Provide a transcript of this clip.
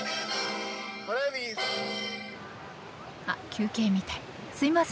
あっ休憩みたい。